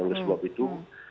oleh sebab itu